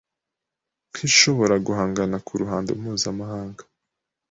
nk’ishobora guhangana ku ruhando mpuzanahanga